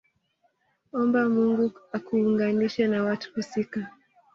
Omba Mungu akuunganishe na watu husika